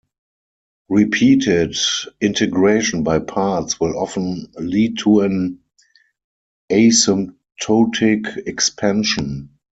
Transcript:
Repeated integration by parts will often lead to an asymptotic expansion.